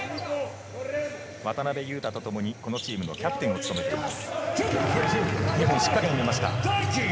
渡邊雄太とともに、このチームのキャプテンを務めています。